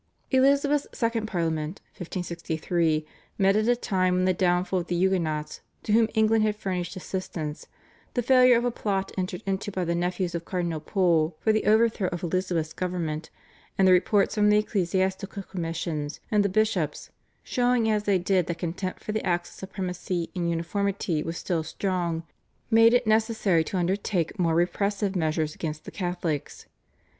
Elizabeth's second Parliament (1563) met at a time when the downfall of the Huguenots to whom England had furnished assistance, the failure of a plot entered into by the nephews of Cardinal Pole for the overthrow of Elizabeth's government, and the reports from the ecclesiastical commissioners and the bishops, showing as they did that contempt for the Acts of Supremacy and Uniformity was still strong, made it necessary to undertake more repressive measures against the Catholics.